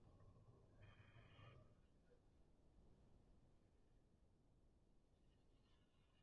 Work on parachute enlargement and new architecture are also going on.